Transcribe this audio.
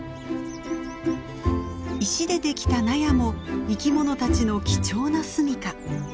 石でできた納屋も生き物たちの貴重な住みか。